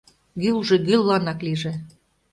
Гӱлжӧ гӱлланак лийже.